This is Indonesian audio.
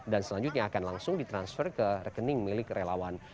dan selanjutnya akan langsung ditransfer ke rekening milik relawan